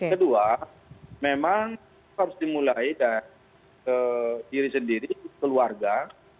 kedua memang harus dimulai dari diri sendiri keluarga